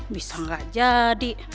bisa gak jadi